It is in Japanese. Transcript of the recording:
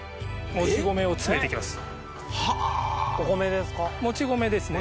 もち米ですね。